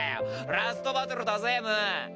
ラストバトルだぜムー。